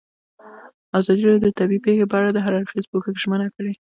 ازادي راډیو د طبیعي پېښې په اړه د هر اړخیز پوښښ ژمنه کړې.